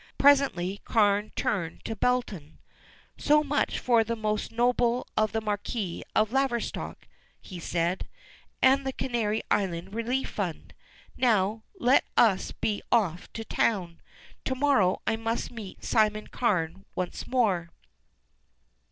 Presently Carne turned to Belton. "So much for the Most Noble the Marquis of Laverstock," he said, "and the Canary Island Relief Fund. Now, let us be off to town. To morrow I must be Simon Carne once more."